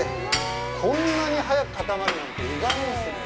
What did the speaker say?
こんなに速く固まるなんて、意外ですね！